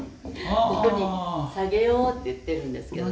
ここに提げようって言っているんですけどね